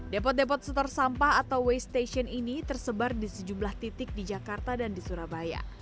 depot depot setor sampah atau waste station ini tersebar di sejumlah titik di jakarta dan di surabaya